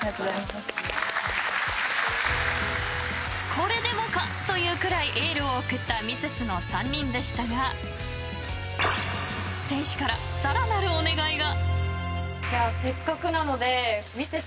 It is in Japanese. これでもかというくらいエールを送ったミセスの３人でしたが選手から更なるお願いが。